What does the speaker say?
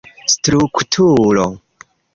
strukturo